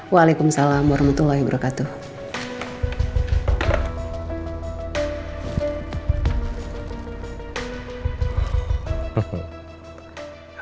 waalaikumsalam warahmatullahi wabarakatuh